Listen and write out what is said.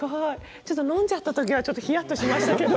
ちょっと飲んじゃった時はひやっとしましたけど。